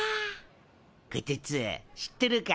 こてつ知っとるか？